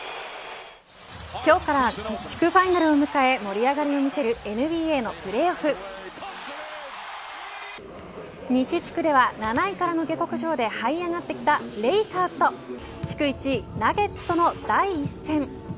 今日から地区ファイナルを迎え盛り上がりを見せるＮＢＡのプレーオフ。西地区では７位からの下剋上ではい上がってきたレイカーズと地区１位ナゲッツとの第１戦。